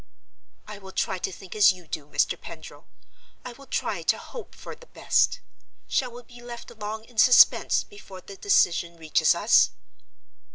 "I will try to think as you do, Mr. Pendril—I will try to hope for the best. Shall we be left long in suspense before the decision reaches us?"